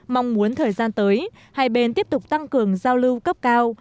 mong muốn thời gian tới hai bên tiếp tục tăng cường giao lưu cấp cao